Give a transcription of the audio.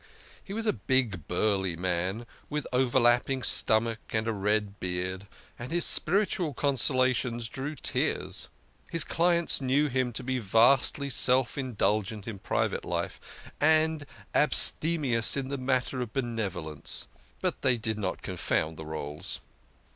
He was a big, burly man with overlapping stomach and a red beard, and his spiritual con solations drew tears. His clients knew him to be vastly self indulgent in private life, and abstemious in the matter of benevolence ; but they did not confound the rdles.